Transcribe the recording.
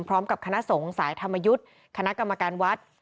พร้อมกับคณะสงฆ์สายธรรมยุทธ์คณะกรรมการวัด